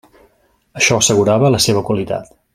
Això assegurava la seva qualitat.